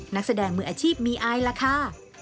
นักแสดงมืออาชีพมีอายล่ะค่ะ